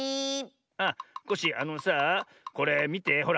あっコッシーあのさあこれみてほら。